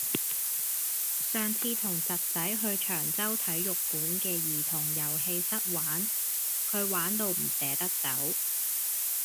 上次同侄仔去長洲體育館嘅兒童遊戲室玩，佢玩到唔捨得走。